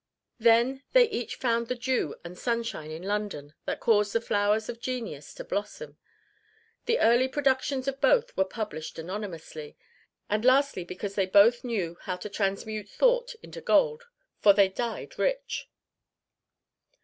Then they each found the dew and sunshine in London that caused the flowers of genius to blossom. The early productions of both were published anonymously, and lastly they both knew how to transmute thought into gold, for they died rich.